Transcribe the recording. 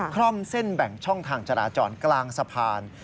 คล่อมเส้นแบ่งช่องทางจราจรกลางสะพาน